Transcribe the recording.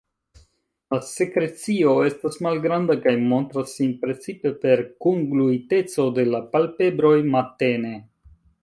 La sekrecio estas malgranda kaj montras sin precipe per kungluiteco de la palpebroj matene.